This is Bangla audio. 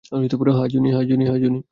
হ্যাঁ, জুনি!